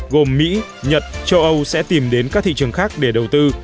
gồm mỹ nhật châu âu sẽ tìm đến các thị trường khác để đầu tư